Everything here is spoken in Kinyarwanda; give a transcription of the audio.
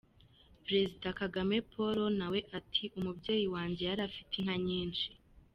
Perezida Kagame Paul nawe ati “Umubyeyi wanjye yari afite inka nyinshi.